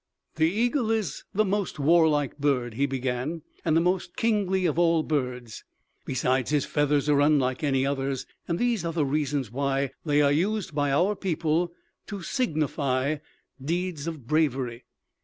"The eagle is the most war like bird," he began, "and the most kingly of all birds; besides, his feathers are unlike any others, and these are the reasons why they are used by our people to signify deeds of bravery.